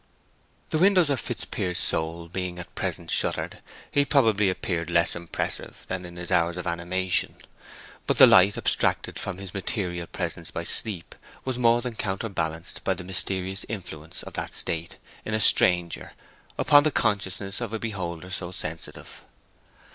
The windows of Fitzpiers's soul being at present shuttered, he probably appeared less impressive than in his hours of animation; but the light abstracted from his material presence by sleep was more than counterbalanced by the mysterious influence of that state, in a stranger, upon the consciousness of a beholder so sensitive.